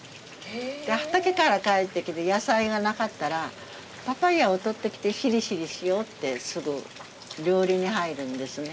畑から帰ってきて野菜がなかったらパパイアをとってきてしりしりしようってすぐ料理に入るんですね。